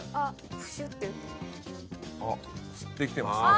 あっ吸ってきてますね。